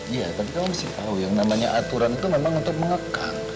iya tapi kamu mesti tahu yang namanya aturan itu memang untuk mengekang